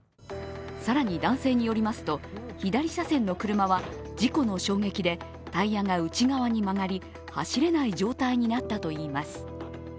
更に男性によりますと、左車線の車は事故の衝撃でタイヤが内側に曲がり走れない状態になったといいます。